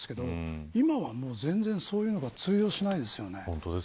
今は全然そういうのが通用しないですよね。